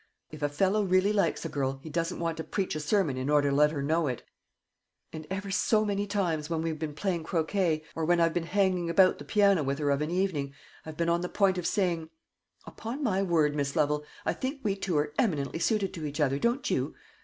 If a fellow really likes a girl, he doesn't want to preach a sermon in order to let her know it; and ever so many times, when we've been playing croquet, or when I've been hanging about the piano with her of an evening, I've been on the point of saying, 'Upon my word, Miss Lovel, I think we two are eminently suited to each other, don't you?'